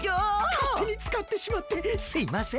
かってにつかってしまってすいません。